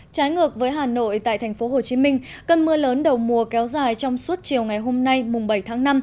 trái ngược với hà nội tại tp hcm cơn mưa lớn đầu mùa kéo dài trong suốt chiều ngày hôm nay mùng bảy tháng năm